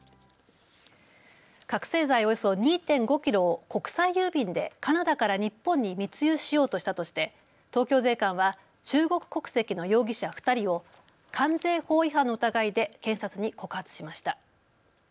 覚醒剤およそ２．５キロを国際郵便でカナダから日本に密輸しようとしたとして東京税関は中国国籍の容疑者２人を関税法違反の疑いで検察に告発しました。